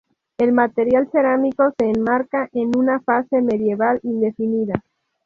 El material cerámico se enmarca en una fase medieval indefinida.